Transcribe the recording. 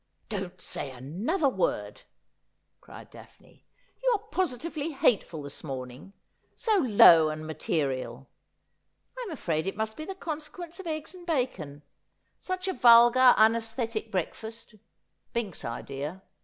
' Don't say another word,' cried Daphne. ' You are positively hateful this morning— so low and material. I'm afraid it must be the consequence of eggs and bncon, such a vulgar una\sthetic breakfast — Bink's idea.